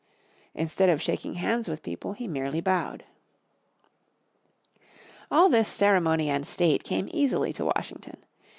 Instead of shaking hands with people he merely bowed. All this ceremony and state came easily to Washington.